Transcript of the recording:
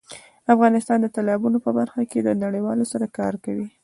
افغانستان د تالابونو په برخه کې له نړیوالو سره کار کوي.